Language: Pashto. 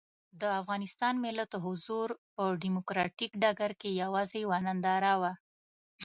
د افغانستان ملت حضور په ډیموکراتیک ډګر کې یوازې یوه ننداره وه.